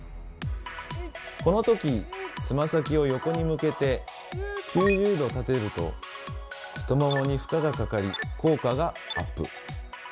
この時つま先を横に向けて９０度立てると太ももに負荷がかかり効果がアップ。